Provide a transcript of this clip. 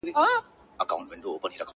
ستا د ښکلا په تصور کي یې تصویر ویده دی.